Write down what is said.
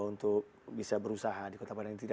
untuk bisa berusaha di kota padang